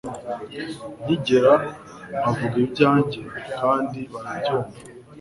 Nkigera nkavuga ibyanjye kandi barabyunva